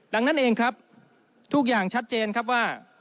ดังนั้นเองครับทุกอย่างชัดเจนครับว่า